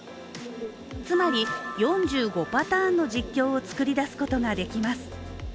つまり４５パターンの実況を作り出すことができます。